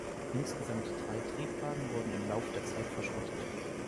Insgesamt drei Triebwagen wurden im Lauf der Zeit verschrottet.